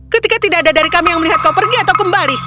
ketika tidak ada dari kami yang melihat kau pergi atau kembali